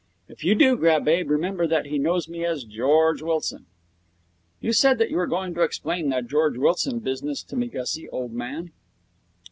If you do grab Abe, remember that he knows me as George Wilson.' 'You said that you were going to explain that George Wilson business to me, Gussie, old man.'